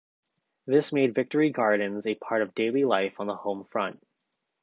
This made victory gardens a part of daily life on the home front.